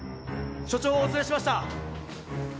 署長をお連れしました！